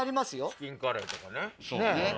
チキンカレーとかね。